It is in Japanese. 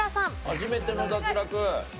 初めての脱落。